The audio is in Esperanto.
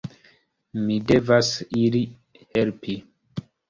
Mi devas iri helpi.